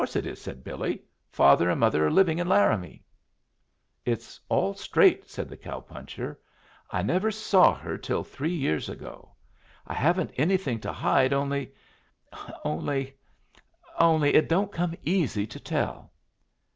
"Course it is," said Billy. "Father and mother are living in Laramie." "It's all straight," said the cow puncher. "I never saw her till three years ago. I haven't anything to hide, only only only it don't come easy to tell."